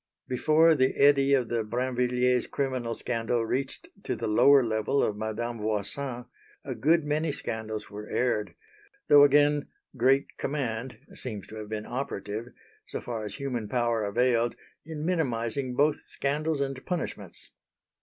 Before the eddy of the Brinvilliers' criminal scandal reached to the lower level of Madame Voisin, a good many scandals were aired; though again "great command" seems to have been operative, so far as human power availed, in minimising both scandals and punishments.